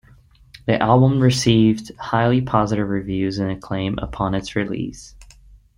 The album received highly positive reviews and acclaim upon its release.